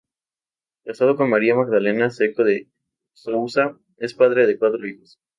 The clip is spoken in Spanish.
Casado con María Magdalena Secco de Souza, es padre de cuatro hijos.